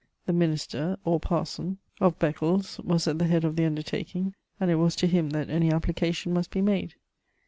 The . minister, or par9onj of 2p2 S82 MEMOIRS OF Becdes, was at the head of the undertaking, and it was to him that any application must he made.